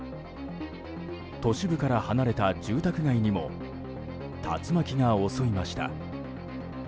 都市部から離れた住宅街にも竜巻が襲いました。